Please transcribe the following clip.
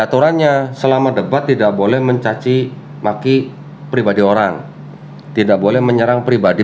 aturannya selama debat tidak boleh mencaci maki pribadi orang tidak boleh menyerang pribadi